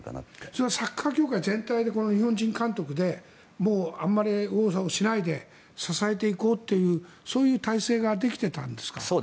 それはサッカー協会全体で日本人監督であまり右往左往をしないで支えていこうというそういう体制ができてたんですか？